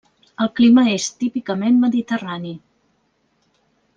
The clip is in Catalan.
El clima és típicament mediterrani.